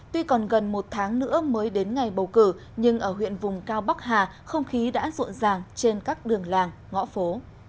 tuy còn gần một tháng nữa mới đến ngày bầu cử nhưng ở huyện vùng cao bắc hà không khí đã rộn ràng trên các đường làng ngõ phố